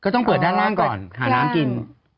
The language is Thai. ต้องเปิดด้านล่างก่อนหาน้ำกิน